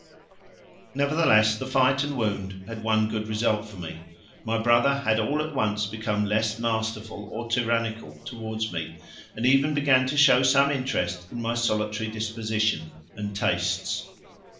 Nevertheless, the fight and wound had one good result for me; my brother had all at once become less masterful, or tyrannical, towards me, and even began to show some interest in my solitary disposition and tastes.